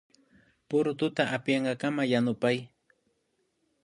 Purututa apiyankakaman yanupay